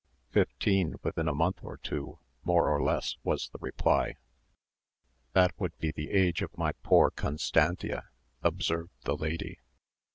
"Fifteen, within a month or two, more or less," was the reply. "That would be the age of my poor Constantia," observed the lady.